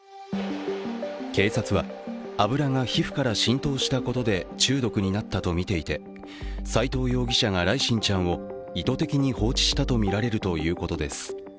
警察は、油が皮膚から浸透したことで中毒になったとみていて斉藤容疑者が來心ちゃんを意図的に放置したとみられるということです。